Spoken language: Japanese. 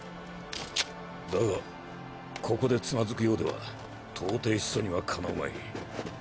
だがここでつまずくようでは到底始祖には敵うまい。